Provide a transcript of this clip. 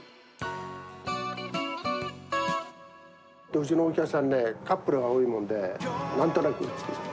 うちのお客さんね、カップルが多いもんで、なんとなく？